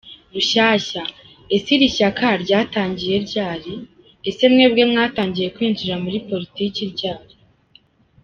Rushyashya:Ese Iri shyaka ryatangiye ryari ?ese mwebwe mwatangiye kwinjira muri politiki ryari ?